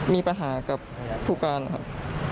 มีปัญหากับผู้การครับ